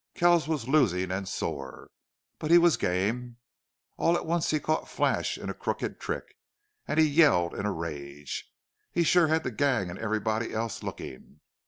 Kells was losing and sore. But he was game. All at once he caught Flash in a crooked trick, and he yelled in a rage. He sure had the gang and everybody else looking.